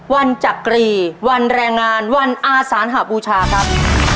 จักรีวันแรงงานวันอาสานหบูชาครับ